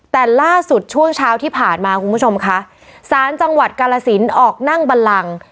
แต่ล่าสุดช่วงเช้าที่ผ่านมาคุณผู้ชมค่ะสารจังหวัดกาลสินออกนั่งบันลัง